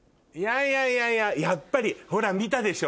いやいややっぱりほら見たでしょ？